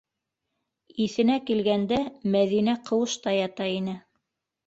Иҫенә килгәндә Мәҙинә ҡыуышта ята ине.